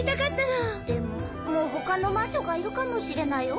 でももう他の魔女がいるかもしれないよ。